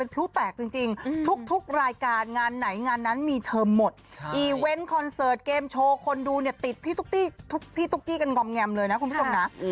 จริงจริงทุกทุกรายการงานไหนงานนั้นมีเธอหมดคอนเซิร์ตเกมโชว์คนดูเนี่ยติดพี่ตุ๊กตี้ทุกพี่ตุ๊กกี้กันกล่อมแง่มเลยนะคุณผู้ชมนะอืม